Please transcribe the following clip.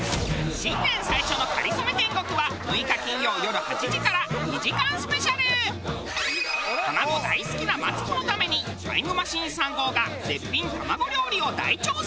新年最初の『かりそめ天国』は卵大好きなマツコのためにタイムマシーン３号が絶品卵料理を大調査！